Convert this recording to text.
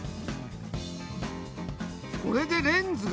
これでレンズが２枚！